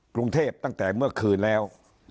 กรุงเทพตั้งแต่เมื่อคืนแล้ว